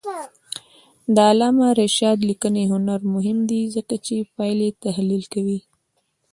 د علامه رشاد لیکنی هنر مهم دی ځکه چې پایلې تحلیل کوي.